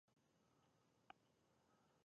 د ننګرهار په ګوشته کې څه شی شته؟